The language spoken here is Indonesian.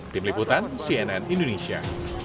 tim liputan cnn indonesia